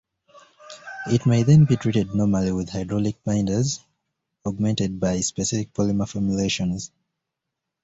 It may then be treated normally with hydraulic binders, augmented by specific polymer formulations.